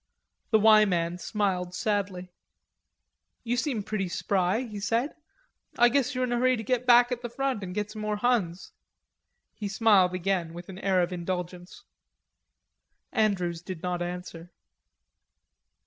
The "Y" man smiled sadly. "You seem pretty spry," he said. "I guess you're in a hurry to get back at the front and get some more Huns." He smiled again, with an air of indulgence. Andrews did not answer.